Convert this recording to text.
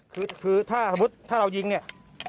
คือถ้าสมมุติถ้าเรายิงเนี่ย